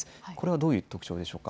これはどういう特徴でしょうか。